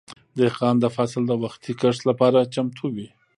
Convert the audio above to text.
دهقان د فصل د وختي کښت لپاره چمتو وي.